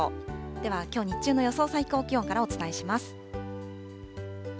では、きょう日中の予想最高気温からお伝えします。